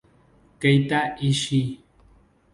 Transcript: Keita Ishii